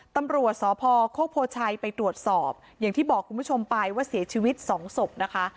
ตำรวจสพโคกโพชัยไปตรวจสอบอย่างที่บอกคุณผู้ชมไปว่าเสียชีวิตสองศพนะคะ